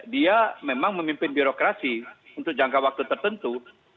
dia memang memimpin birokrasi untuk jangka waktu tertentu